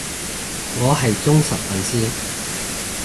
我係忠實粉絲